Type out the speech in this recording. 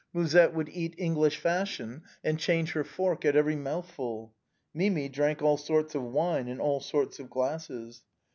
Musette would eat English fashion, and change her fork at every mouthful. Mimi drank all sorts of wine, in all sorts of glasses.